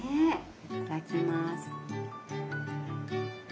いただきます。